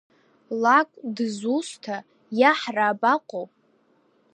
Лакә дызусҭа, иаҳра абаҟоу?